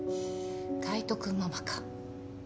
海斗君ママか。